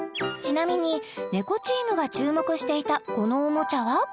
ちなみに猫チームが注目していたこのおもちゃは？